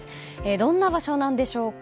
どんな場所なんでしょうか。